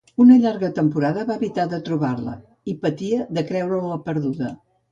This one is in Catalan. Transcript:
Una llarga temporada va evitar de trobar-la, i patia de creure-la perduda.